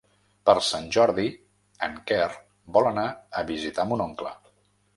Per Sant Jordi en Quer vol anar a visitar mon oncle.